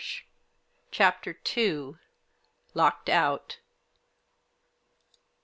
it CHAPTER II. LOCKED OUT.